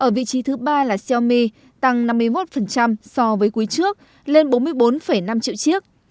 ở vị trí thứ ba là xiaomi tăng năm mươi một so với quý trước lên bốn mươi bốn năm triệu chiếc